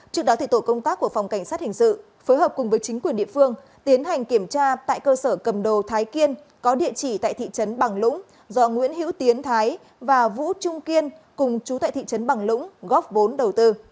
trước đó tổ công tác của phòng cảnh sát hình sự phối hợp cùng với chính quyền địa phương tiến hành kiểm tra tại cơ sở cầm đồ thái kiên có địa chỉ tại thị trấn bằng lũng do nguyễn hữu tiến thái và vũ trung kiên cùng chú tại thị trấn bằng lũng góp vốn đầu tư